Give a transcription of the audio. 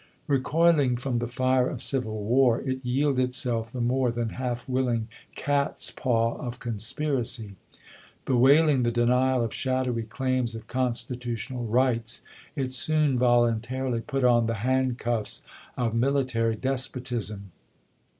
Recoiling from the fire of civil war, it yielded itself the more than half willing cat's paw of conspiracy. Bewailing the denial of shadowy claims of constitutional rights, it soon voluntarily put on the handcuffs of military des potism.